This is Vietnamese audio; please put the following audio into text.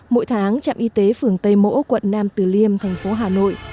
mỗi tháng trạm y tế phường tây mỗ quận nam tử liêm thành phố hà nội